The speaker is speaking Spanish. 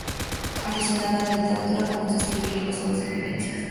Aficionado a la literatura comenzó a escribir libros sobre sus vivencias.